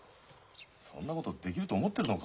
そんなことできると思ってるのか？